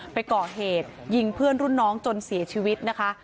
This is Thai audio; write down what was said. ไปก่อเหตุยิงเพื่อนรุ่นน้องจนเสียชีวิตนะคะ